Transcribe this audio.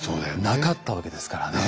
なかったわけですからね。